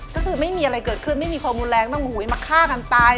ก็คือไม่มีอะไรเกิดขึ้นไม่มีความรุนแรงต้องมาฆ่ากันตาย